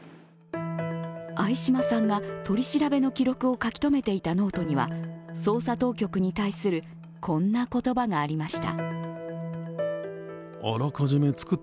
相嶋さんが取り調べの記録を書き留めていたノートには、捜査当局に対する、こんな言葉がありました。